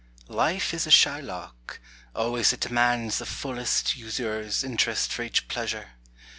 Life is a Shylock; always it demands The fullest usurer's interest for each pleasure.